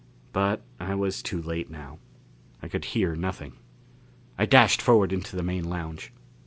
But I was too late now I could hear nothing. I dashed forward into the main lounge.